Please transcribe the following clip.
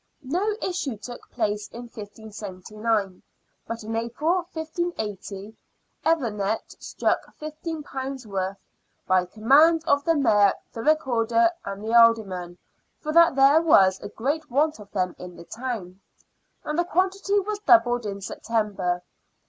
No issue took place in 1579. But in April, 1580, Evenet struck £15 worth " by command of the Mayor, the Recorder, and the Aldermen, for that there was a great want of them in the town," and the quantity was doubled in September.